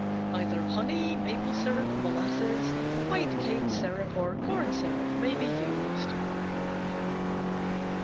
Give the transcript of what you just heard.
Either honey, maple syrup, molasses, white cane syrup or corn syrup may be used.